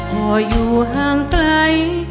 พออยู่ห่างไกล